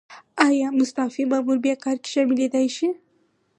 ایا مستعفي مامور بیا کار کې شاملیدای شي؟